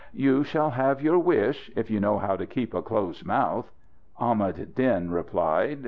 "You shall have your wish, if you know how to keep a closed mouth," Ahmad Din replied.